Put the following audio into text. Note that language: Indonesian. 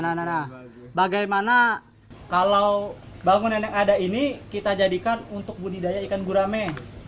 nah bagaimana kalau bangunan yang ada ini kita jadikan untuk budidaya ikan gurame